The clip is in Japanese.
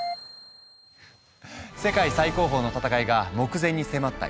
世界最高峰の戦いが目前に迫った